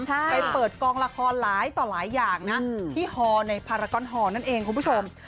ไปเปิดกองละครหลายต่อหลายอย่างนะที่ฮอลในพารากอนฮอลนั่นเองคุณผู้ชม